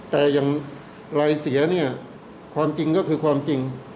แต่อย่างลายเสียเนี่ยความจริงก็คือความจริง